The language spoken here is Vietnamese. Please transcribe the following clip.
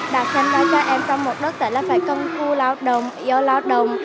đã xem ra cho em trong một đất tế là phải công khu lao động yêu lao động